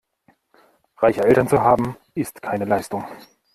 Reiche Eltern zu haben, ist keine Leistung.